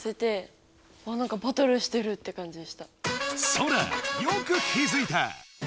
ソラよく気づいた！